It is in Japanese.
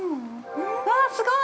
わぁ、すごい！